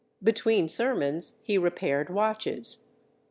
Between sermons he repaired watches.